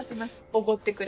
おごってくれたら。